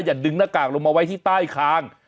ดึงหน้ากากลงมาไว้ที่ใต้คาง